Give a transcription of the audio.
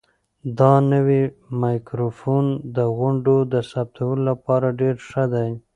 دا نوی مایکروفون د غونډو د ثبتولو لپاره ډېر ښه دی.